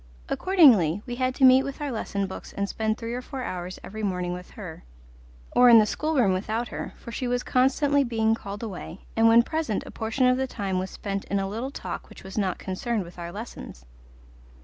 Accordingly, we had to meet with our lesson books and spend three or four hours every morning with her, or in the schoolroom without her, for she was constantly being called away, and when present a portion of the time was spent in a little talk which was not concerned with our lessons.